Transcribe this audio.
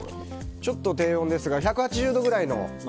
ちょっと低温ですが１８０度くらいの。